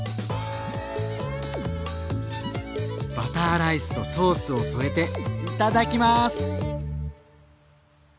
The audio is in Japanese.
バターライスとソースを添えていただきます！